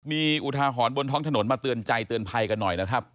มีอุทาหรณ์บนท้องถนนมาเตือนใจเตือนภัยกันหน่อยนะครับ